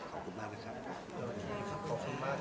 งานเช้าที่เราเห็นอยู่น้องสัง